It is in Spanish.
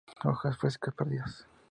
Hojas frescas perdidas.